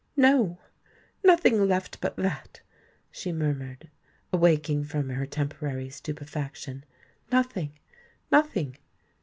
"No—nothing left but that," she murmured, awaking from her temporary stupefaction: "nothing—nothing!"